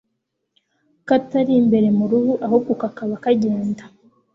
katari imbere mu ruhu ahubwo kakaba kagenda